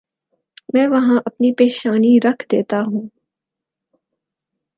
میں وہاں اپنی پیشانی رکھ دیتا ہوں۔